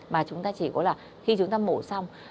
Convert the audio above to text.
mà chúng ta chỉ có là khi chúng ta mổ xong